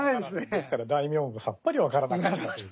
ですから大名もさっぱり分からなかったということですね。